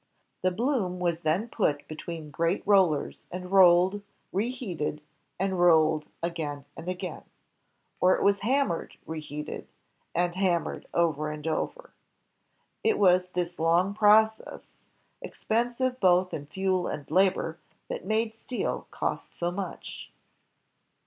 The bloom was then put between great rollers, and rolled, reheated, and roDed again and again. Or it was hammered, reheated, and 176 INVENTIONS OF MANUFACTURE AND PRODUCTION hammered over and over. It was this long process, expensive both in fuel and labor, that made steel cost so much.